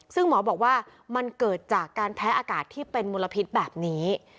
ซึ่งหมอบอกว่ามันเกิดจากการแพ้อากาศที่เป็นมลพิษแบบนี้